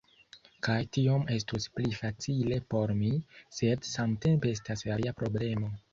Kaj tiom estus pli facile por mi, sed samtempe estas alia problemo